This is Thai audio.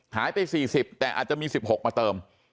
หายไป๔๐แต่อาจจะมี๑๖มาเติม